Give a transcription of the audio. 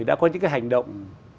đã có những cái hành động